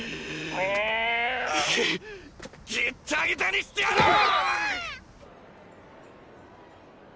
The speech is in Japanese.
ギッタギタにしてやるぅ！！